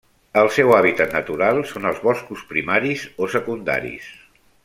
El seu hàbitat natural són els boscos primaris o secundaris.